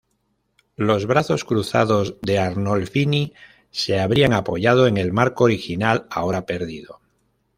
Los brazos cruzados de Arnolfini se habrían apoyado en el marco original, ahora perdido.